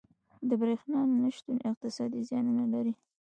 • د برېښنا نه شتون اقتصادي زیانونه لري.